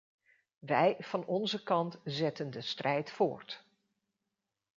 Wij van onze kant zetten de strijd voort.